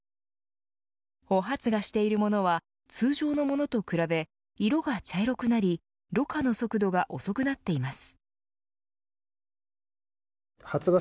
穂発芽しているものは通常のものと比べ色が茶色くなりろ過の速度が遅くなっています。